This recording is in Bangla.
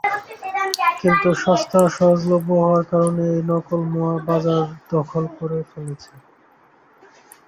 কিন্তু সস্তা ও সহজলভ্য হওয়ার কারণে এই নকল মোয়া বাজার দখল করে ফেলেছে।